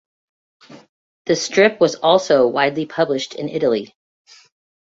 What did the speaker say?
The strip was also widely published in Italy.